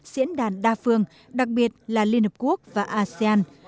diễn đàn đa phương đặc biệt là liên hợp quốc và asean